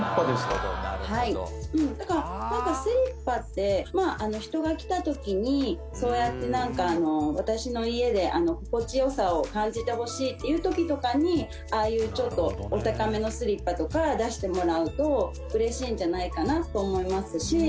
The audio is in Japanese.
だからなんかスリッパって人が来た時にそうやってなんかあの私の家で心地良さを感じてほしいっていう時とかにああいうちょっとお高めのスリッパとか出してもらうとうれしいんじゃないかなと思いますし。